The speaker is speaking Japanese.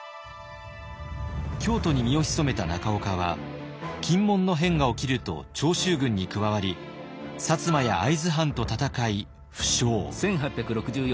京都に身を潜めた中岡は禁門の変が起きると長州軍に加わり摩や会津藩と戦い負傷。